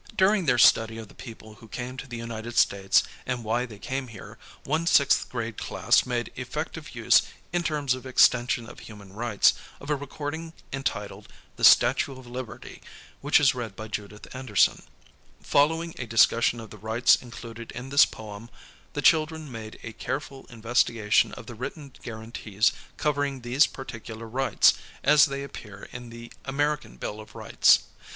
During their study of the peoj)le who came to the United States and why thev came here, one sixth grade class made effective use. in terms of extension of human rights, of a recording entitled "The Statue of Liberty," ^ which I ŌĆó^ Victor Record Album No. 960. HOW CHILDREN LEARN ABOUT HUMAN RIGHTS 11 is read by Judith Anderson. Following a discussion of the rights included in this poem, the children made a careful investigation of the written guarantees covering these particular rights as they appear in the American Bill of Rights.